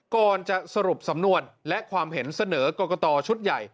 ก่อนจะสรุปสำนวนและความเห็นเสนอกรกตชุดใหญ่